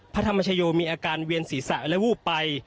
พระธรรมชโยมีอาการเวียนศีรษะและวูบไป